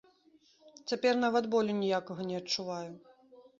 Цяпер нават болю ніякага не адчуваю!